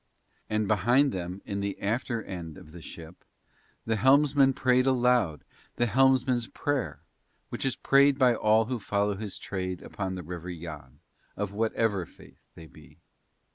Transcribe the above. And behind them in the after end of the ship the helmsman prayed aloud the helmsman's prayer, which is prayed by all who follow his trade upon the River Yann, of whatever faith they be.